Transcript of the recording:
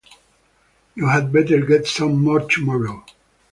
You had better get some more tomorrow.